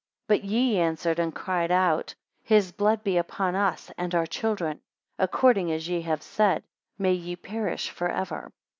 But ye answered and cried out, His blood be upon us and our children. According as ye have said, may ye perish for ever.